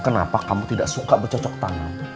kenapa kamu tidak suka bercocok tangan